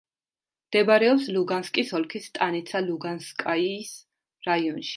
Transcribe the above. მდებარეობს ლუგანსკის ოლქის სტანიცა-ლუგანსკაიის რაიონში.